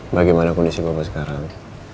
bagaimana kondisi bapak sekarang